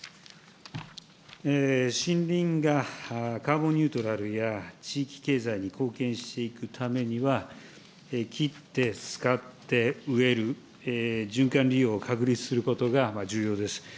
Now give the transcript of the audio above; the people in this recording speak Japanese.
森林がカーボンニュートラルや地域経済に貢献していくためには、切って、使って、植える、循環利用を確立することが重要です。